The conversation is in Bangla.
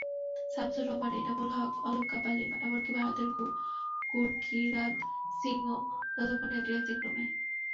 শামসুর রহমান, এনামুল হক, অলক কাপালি, এমনকি ভারতের গুরকিরাত সিংও ততক্ষণে ড্রেসিংরুমে।